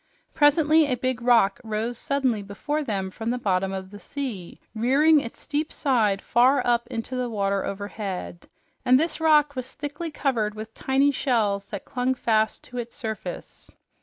Presently a big rock rose suddenly before them from the bottom of the sea, rearing its steep side far up into the water overhead, and this rock was thickly covered with tiny shells that clung fast to its surface.